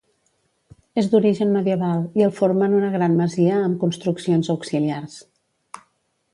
És d'origen medieval i el formen una gran masia amb construccions auxiliars.